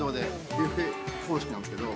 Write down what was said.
ビュッフェ方式なんですけど。